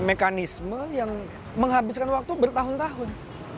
mekanisme yang menghabiskan waktu bertahun tahun